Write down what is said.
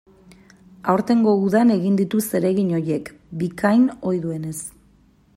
Aurtengo udan egin ditu zeregin horiek, bikain, ohi duenez.